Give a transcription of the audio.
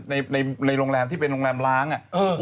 ในโรงแรมที่เป็นโรงแรมล้างอ่ะ